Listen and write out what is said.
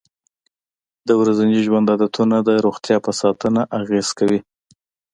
د ورځني ژوند عادتونه د روغتیا په ساتنه اغېزه کوي.